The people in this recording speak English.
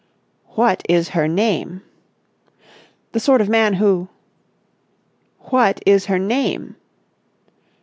"What is her name?" "... the sort of man who...." "What is her name?"